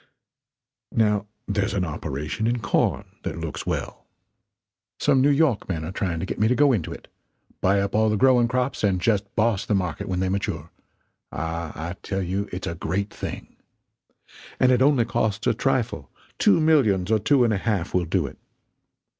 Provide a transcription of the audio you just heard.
Now there's an operation in corn that looks well. Some New York men are trying to get me to go into it buy up all the growing crops and just boss the market when they mature ah, I tell you it's a great thing. And it only costs a trifle; two millions or two and a half will do it.